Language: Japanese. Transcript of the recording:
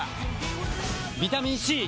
ビタミン Ｃ！